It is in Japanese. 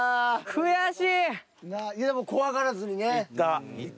でも怖がらずにね。